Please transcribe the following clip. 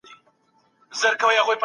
ميرمن د خپلي شتمنۍ خاونده ده.